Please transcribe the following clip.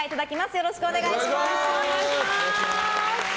よろしくお願いします。